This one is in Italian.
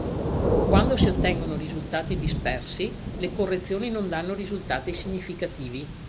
Quando si ottengono risultati dispersi, le correzioni non danno risultati significativi.